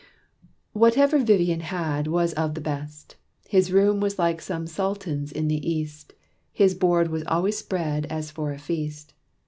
Whatever Vivian had was of the best. His room was like some Sultan's in the East. His board was always spread as for a feast.